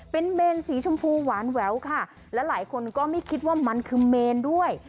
เป็นเมนสีชมพูหวานแหววค่ะและหลายคนก็ไม่คิดว่ามันคือเมนด้วย